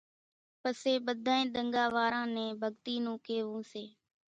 پسي ٻڌانئين ۮنڳا واران نين ڀڳتي نون ڪيوون سي،